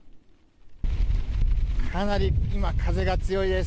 かなり風が強いです。